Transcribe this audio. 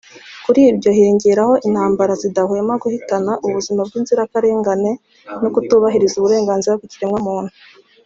Kuri ibyo hiyongeraho intambara zidahwema guhitana ubuzima bw’inzirakarengane no kutubahiriza uburenganzira bw’ikiremwa muntu